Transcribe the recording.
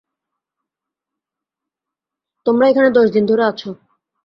তোমরা এখানে দশ দিন ধরে আছ।